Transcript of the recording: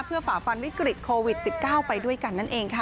เพื่อฝ่าฟันวิกฤตโควิด๑๙ไปด้วยกันนั่นเองค่ะ